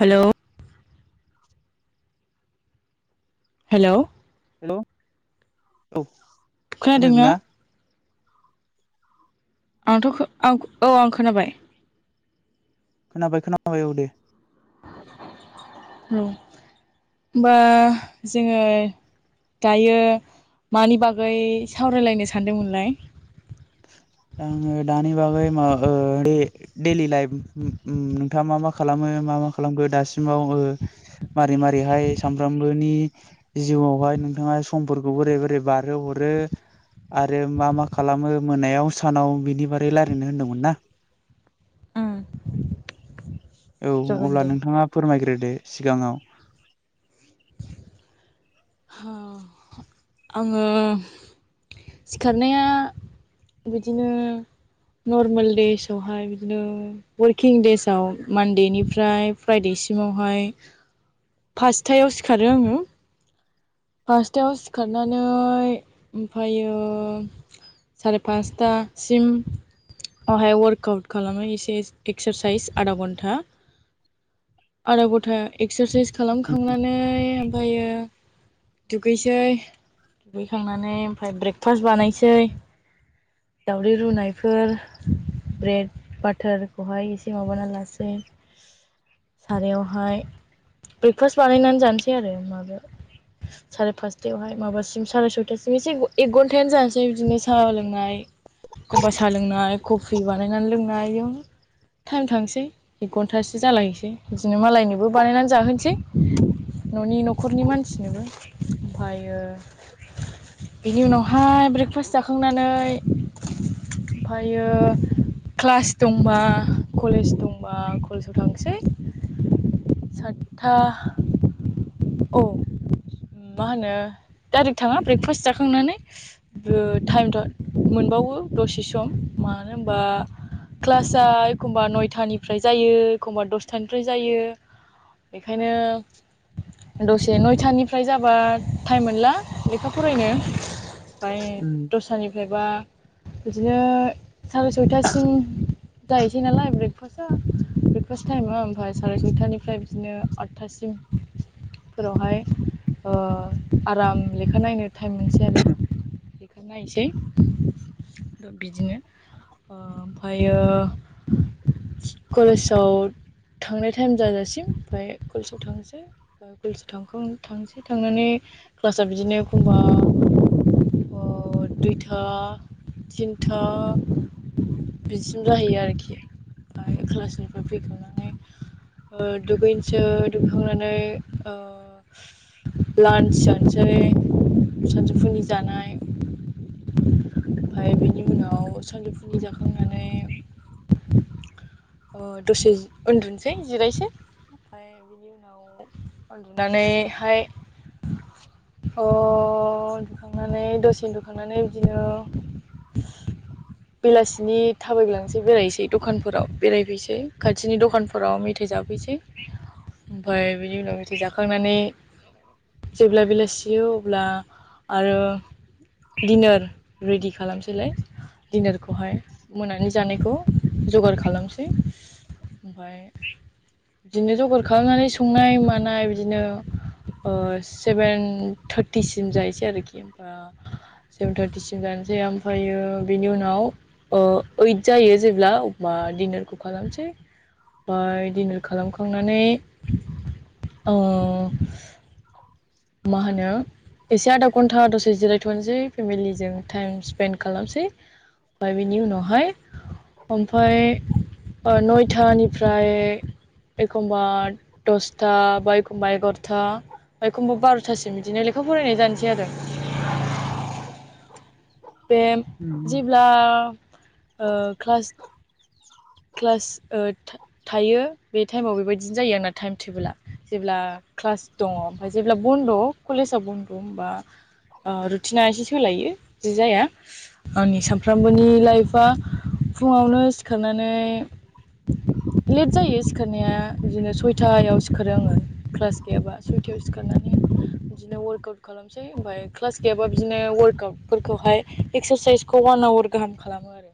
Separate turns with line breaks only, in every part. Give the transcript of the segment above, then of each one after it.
हेल' hello
hello औ
खोनादों
खोनादोंना
ना आंथ' आं औ आं खोनाबाय
खोनाबाय खोनाबाय औ दे
होनबा जोङो दायो मानि बागै सावरायलायनो सानदोंमोनलाय [inaudible]
आङो दानि बागै माब [unintelligible] डेलि लाइफ नोंथाङा मा मा खालामो मा मा खालामखो दासिमाव मारै मारैहाय सानफ्रामबोनि जिउआवहाय नोंथाङा समफोरखौ बोरै बोरै बारहो हरो आरो मा मा खालामो मोनायाव सानाव बिनि बागै रायजलायनो होनदोंमोन ना
उम
औ
जागोन
अब्ला
दे
नोंथाङा फोरमायग्रोदो सिगाङाव
आङो सिखारनाया बिदिनो नर्मेल देसवहाय बिदिनो वारकिं देसाव मान्डेनिफ्राय फ्राइडे सिमावहाय फासथायाव सिखारो आङो फार्स्टआव सिखारनानै ओमफ्रायो सारे पासथासिम हायाव वार्कआउट खालामो एसे एक्सरेसाइस आधा घन्टा आघा घन्टा एक्सरेसाइस खालामखांनानै ओमफ्रायो दुगैसै दुगैखांनानै ओमफ्राय ब्रेकफास्ट बानायसै दावदै रुनायफोर ब्रेड बाथारखौहाय एसे माबाना लासै सारायावहाय ब्रेकफास्ट बानायनानै जानोसै आरो माबायाव साराय पासथायावहाय माबासिम साराय सयथासिम एसे एक घन्टानो जानोसै बिदिनो साहा लोंनाय एखमबा साह लोंनाय कबि बानायनानै लोंनाय ह टाइम थांसै एक घन्टासो जालायसै बिदिनो मालायनोबो बानायनानै जाहोनोसै। न'नि न'खरनि मानसिनोबो ओमफ्रायो बेनि उनावहाय ब्रेकफास्ट जाखांनानै ओमफ्रायो क्लास दंबा कलेज दंबा कलेजाव थांसै। सातथा औ मा होनो डाइरेक्ट थाङा ब्रेकफास्ट जाखांनानै। टाइमथ' मोनबावो दसे सम मानो होनबा क्लासआ एखमबा नयथानिफ्राय जायो एखमबा दसथानिफ्राय जायो। बेखायनो दसे नयथानि फ्राय जाबा टाइम मोनला लेखा फरायनो। ओमफ्राय
उम
दस्रानिफ्रायबा बिदिनो साराय सयथासिम जायसै नालाय ब्रे फआ ब्रेकफास्ट टाइमा ओमफ्राय साराय सयथानिफ्राय बिदिनो आठथासिम फोरावहाय ओ आराम लेखा नायनो टाइम मोनसै आरो लेखा नायसै। बिदिनो ओ ओमफ्रायो कलेजाव थांनाय टाइम जाजासिम ओमफ्राय कलेजाव थांनोसै। [unintelligible] थांसै थांनानै क्लासआ बिदिनो एखमबा अ दुइथा तिनथा बिदिसिम जाहैयो आरोखि ओमफ्राय क्लासनिफ्राय फैखांनानै ओ दुगैनोसै दुखांनानै ओ लान्स जानोसै सानजौफुनि जानाय। ओमफफ्राय बेनि उनाव सानजौफुनि जाखांनानै ओ दसे उन्दुसै जिरायसो ओमफ्राय उनाव उन्दुनानै [unintelligible] अ दुखांनानै दसेनो दुखांनानै बिदिनो [inaudible] बेलासिनि थाबायग्लांसै बेरायनोसै दखानफोराव बेरायफैनोसै खाथिनि दखानफोर नखराव मेथाइ जाफैसै ओमफ्राय बिनि उनाव मेथाइ जाखांनानै जेब्ला बेलासियो अब्ला आरो दिडनार रेडि खालामसैलाय। दिनारखौहाय मोनानि जानायखौ जगार खालामसै। ओमफफ्राय बिदिनो जगार खालामनानै संनाय मानाय बिदिनो ओ सेभेन थार्टिसिम जाहसै आरोखि ओ सेभेन थार्टिसिम जानोसै ओमफ्रायो बेनि उनाव अ ओइद जायो जेब्ला अबा दिडिनारखौ खालामसै। ओमफ्राय दिनार खालामखांनानै अ मा होनो? एसे आदा घन्टा आ दसे जिरायथ'नोसै फेमिलिजों टाइम स्पेन्ड खालामनिसै। ओमफाय बिनि उनाव हाय ओमफ्राय ओ नयथानिफ्राय एखमबा दसथा बा एखमबा एगार'था बा एखमबा बार'थासिम बिदिनो लेखा फरायनाय जानोसै आरो। बे जेब्ला ओ क्लास क्लास ओ थायो बे टाइमाव बेबायदिनो जायो आरोना टाइम टेबोला। जेब्ला क्लास दङ ओमफ्राय जेब्ला बन्द' कलेजाव बन्द' होमबा ओ रुटिना एसे सोलायो जि जाया आंनि सानफ्रामबोनि लाइफआ फुङावनो सिखारनानै लेट जायो सिखारनाया बिदिनो सयथायाव सिखारो आङो क्लास गैयाबा सयतायाव सिखारनानै बिदिनो वारक आउट खालाम खालामसै ओमफ्राय क्लास गैयाबा बिदिनो वार्कआउट फोरखौहाय एक्सारसाइसखौ अवान आवार गाहाम खालामो आरो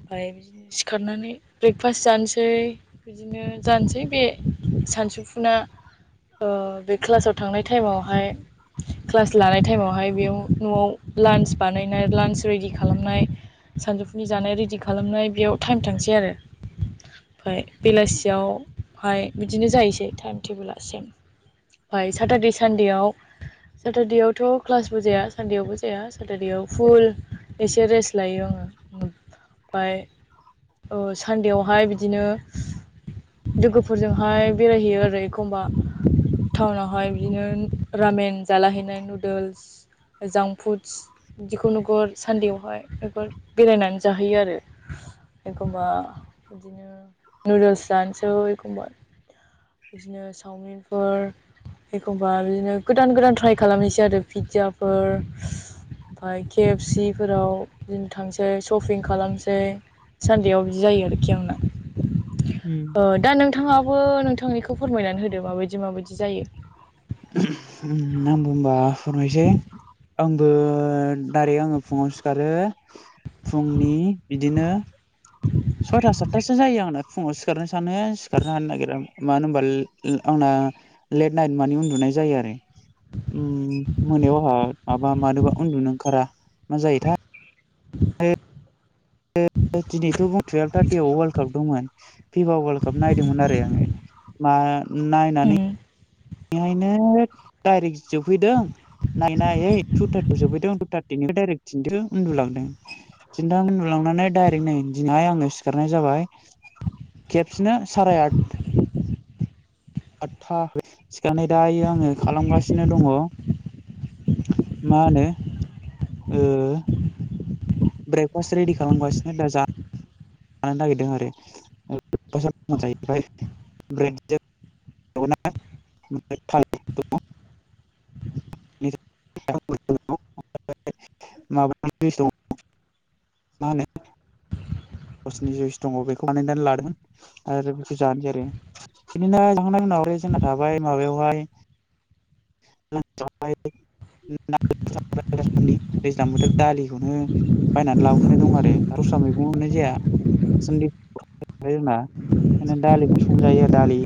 ओमफ्राय बिदिनो सिखारनानै ब्रेकफास्ट जानोसै बिदिनो जानोसै बे सानसुफुना ओ बे क्लासाव थांनाय टाइमावहाय क्लास लानाय टाइमावहाय बेयाव न'आव लान्स बानायनाय लान्च रेडि खालामनाय सानजौफुनि जानाय रेडि खालामनाय बेयाव टाइम थांसै आरो ओमफ्राय बेलासियाव हाय बिदिनो जाहैसै टाइम टेबोला सेम ओमफ्राय साटारडे सानडेआव सटारडेआवथ' क्लासबो जाया सानडेआवबो जा- -या सटारडेआव फुल एसे रेस्ट लायो आङो ओमफ्राय औ सानदेआवहाय बिदिनो लोगोफोरजोंहाय बेरायहैयो आरो एखमबा टाउनावहाय बिदिनो रामेन जालाहैनाय नुदोल्स जाम- फुडस बिदिखौ नोगोर सान्देआवहाय नोगोर बेरायनानै जाहोयो आरो एखमबा बिदिनो नुदोल्स जानोसै एखमबा बिदिनो चावमिनफोर एखमबा बिदिनो गोदान गोदान ट्राय खालामनोसै आरो पिज्जाफोर ओमफ्राय के एफ सि फोराव बिदिनो थांसै शपिं खालामसै सानदेआव बिदि जायो आरोखि आंना।
उम
दा नोंथाङाबो नोंथांनिखौ फोरमायनानै होदो माबायदि माबायदि जायो।
आंबो होनबा फोरमायसै। आंबो दाइरेक्ट आङो फुङाव सिखारो फुंनि बिदिनो
[inaudible]
सयथा सातथासो जायो आंना फुङाव सिखारनो सानो सिखारनो हानो नागिरा मानो होनबा आंना लेट नाइट माने उन्दुनाय जायो आरो उ मोनायावहा माबा मानोबा उन्दुनो ओंखारा मा जायोथाय दिनैथ' थुवेल थार्टियाव वार्ल्ड काप दंमोन फिफा वार्ल्ड काप नायदोंमोन आरो आङो मा नायनानै बेहायनो डाइरेक्ट जोबहैदों नाय नायै टु थार्टियाव सोबहैदों टु थार्टिनिफ्राय डाइरेक्ट थिनथायाव उन्दुलांदों। थिन्थायाव उन्दुलांनानै डाइरेक्ट नाय दिनैहाय आङो सिखारनाय जाबाय खेबसेनो साराय आट आदथा सिखारनानै दायो आङो खालामगासिनो दङ' मा होनो ओ ब्रेकफास्ट रेडि खालामगासिनो दा जा जानो नागिरदों आरो [unintelligible] [unintelligible] [unintelligible] [unintelligible] मा होनो गावसोरनि जुइस दङ' बेखौ बानायनानै लादों आरो बेखौ जानोसै आरो [unintelligible] जांखांनायनि उनाव जोंना थाबाय माबायावहाय
[inaudible]
[unintelligible] दैज्लां बोथोर दालिखौनो बायनानै लाबोखानाय दं आरो दा दस्रा मैगं मोन्नाय जाया। दि जोंना दालिखौ संजायो दालि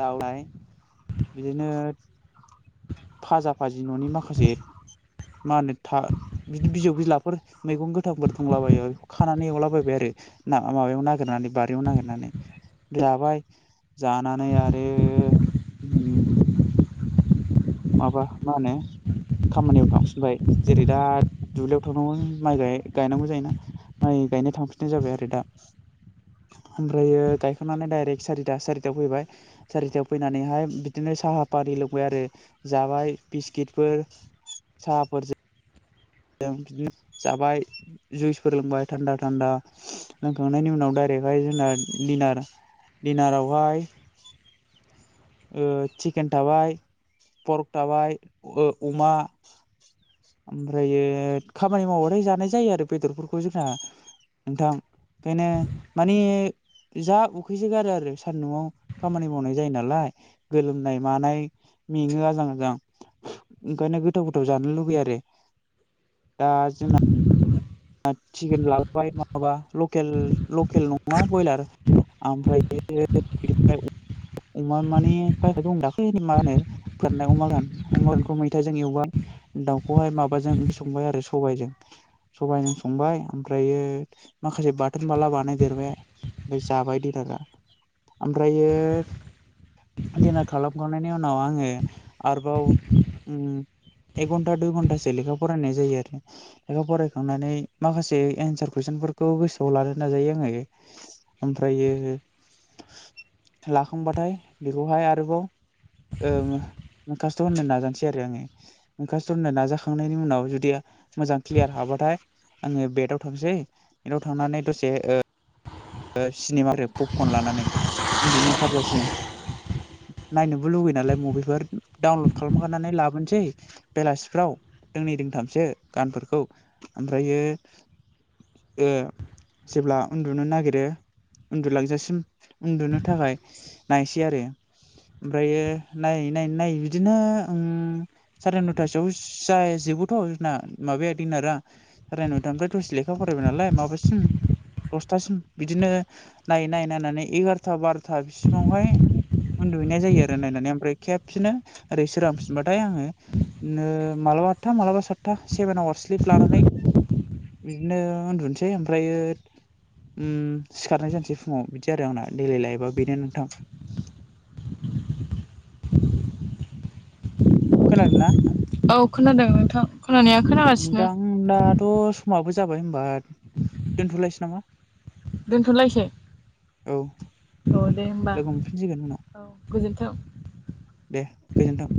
दा [unintelligible] बिदिनो फाजा फाजि न'नि माखासे मा होनो था बिदि बिजौ बिलाफोर मैगं गोथांफोर दंलाबायो बेखौ खानानै एवलाबायबाय आरो ना माबायाव नागिरनानै बारियाव नागिरनानै जाबाय जानानै आरो माबा मा होनो खामानियाव थांफिनबाय जेरै दा दुब्लियाव थांनांगौ माइाय गायनांगौ जायोना माइ गायनो थांफिननाय जाबाय आरो दा ओमफ्रायो गायखांनै दाइरेक्ट सारिथा सारिथायाव फैबाय सारिथायाव फैनानैहाय बिदिनो साहा पानि लोंबाय आरो जाबाय बिस्किटफोर साहाफोर जों बिदिनो जाबाय जुइसफोर लोंबाय थान्दा थान्दा लोंखांनायनि उनाव डाइरेक्टहाय जोंना दिनार दिनारावहाय चिकेन थाबाय परक थाबाय अमा ओमफ्रायो खामानि मावनानै जानाय जायो आरो बेदरफोरखौ जोंना नोंथां ओंखायनो मानि जा उखैसो गारो आरो सान्दुङाव खामानि मावनाय जायो नालाय गोलोमनाय मानाय मेङो आजां गाजां ओंखायनो गोथाव गोथाव जानो लुबैयो आरो दा जोंना चिकेन लाबोबाय नङाबा लकेल लकेल नङा ब्रयलार ओमफ्राय बिदिनो अमा माने बायखानाय दं दाख्लै नि मा होनो फोराननाय अमा गोरान अमाखौ मैथाजों एवबाय दाउखौहाय माबाजों ओंख्रि संबाय आरो सबायजों सबायजों संबाय ओमफ्रायो माखासे बाथोन बाला बानायदेरबाय ओमफ्राय जाबाय [unintelligible] ओमफ्रायो दिनार खालामखांनायनि उनाव आङो आरोबाव एक घन्टा दुइ घन्टासो लेखा फरायनाय जायो आरो लेखा फराय खांनानै माखासे एनसार कुइसनफोरखौ गोसोआव लानो नाजायो आङो ओमफ्रायो लाखांबाथाय बेखौहाय आरोबाव मुखास्थ' होननो नाजानोसै आरो आङो मुखासथ' होनो नाजाखांनायनि उनाव जुदि मोजां क्लियार हाबा थाय आङो बेदाव थांसै बेदाव थांनानै दसे सिनेमा [unintelligible] पपकर्न लानानै उन्दुनो ओंखारजासिम नायनोबो लुगैयो नालाय मभिफोर डाउनलड खालामखानानै लाबोनोसै बेलासिफ्राव दोंनै दोंथामसो गानफोरखौ ओमफ्रायो जेब्ला उन्दुनो नागिर रो उन्दुलांजासिम उन्दुनो थाखाय नायसै आरो ओमफ्रायो नायै नायै नायै बिदिनो साराय नथासोआव जा जोबोथ' जोंना माबाया दिनारा साराय नयथानिफ्राय दसे लेखा फरायबाय नालाय माबासिम दसथासिम बिदिनो नायै नायै नायनानै एगार'था बार'था बिसिमावहाय उन्दुहैनाय जायो आरो नायनानै ओमफ्राय खेबसेनो ओरै सोरहांफिनबाथाय आङो नो मालाबा आदथा मालाबा सत्था सेभेन आवार्स स्लिप लानानै बिदिनो उन्दुनोसै ओमफ्रायो सिखारनाय जानोसै फुङाव बिदि आरो आंना देलाय लाइफबा बेनो नोंथां खोनादों ना
औ खोनादों नोंथां खोनानाया खोनागासिनो
नोंथां दाथ' समाबो जाबाय होनबा दोनथ'लायसै नामा
दोनथ'लायसै
औ
औ दे होमबा
लोगो मोनफिनसिगोन उनाव
औ गोजोन्थों
दे गोजोनथों